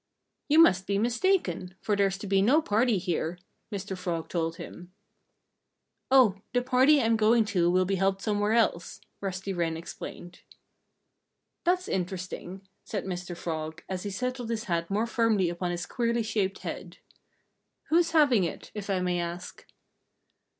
"You must be mistaken for there's to be no party here," Mr. Frog told him. "Oh! The party I'm going to will be held somewhere else," Rusty Wren explained. "That's interesting," said Mr. Frog, as he settled his hat more firmly upon his queerly shaped head. "Who's having it if I may ask?"